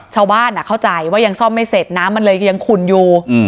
ชาวบ้านเข้าใจว่ายังซ่อมไม่เสร็จน้ำมันเลยยังขุ่นอยู่